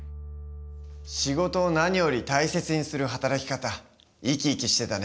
仕事を何より大切にする働き方生き生きしてたね。